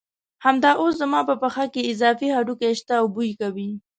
همدا اوس زما په پښه کې اضافي هډوکي شته او بوی کوي.